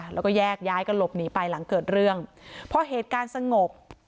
แล้วก็แยกย้ายกันหลบหนีไปหลังเกิดเรื่องพอเหตุการณ์สงบ